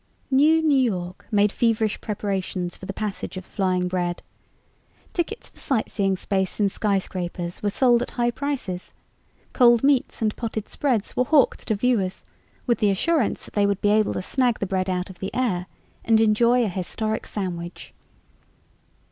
NewNew York made feverish preparations for the passage of the flying bread. Tickets for sightseeing space in skyscrapers were sold at high prices; cold meats and potted spreads were hawked to viewers with the assurance that they would be able to snag the bread out of the air and enjoy a historic sandwich.